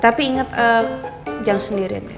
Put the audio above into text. tapi ingat jangan sendirian ya